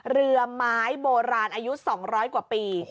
เรือไม้โบราณอายุ๒๐๐กว่าปี